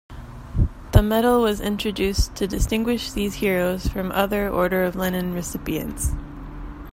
The medal was introduced to distinguish these heroes from other Order of Lenin recipients.